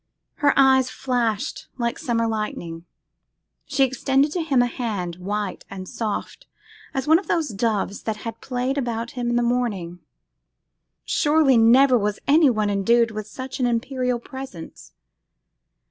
her eyes flashed like summer lightning; she extended to him a hand white and soft as one of those doves that had played about him in the morning. Surely never was anyone endued with such an imperial presence.